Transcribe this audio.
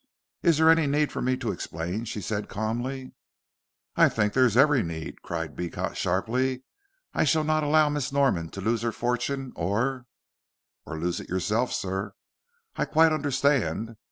"Is there any need for me to explain?" she said calmly. "I think there is every need," cried Beecot, sharply. "I shall not allow Miss Norman to lose her fortune or " "Or lose it yourself, sir. I quite understand.